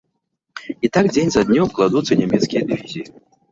І так дзень за днём кладуцца нямецкія дывізіі.